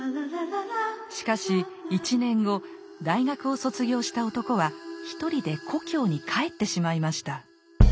しかし１年後大学を卒業した男は一人で故郷に帰ってしまいました。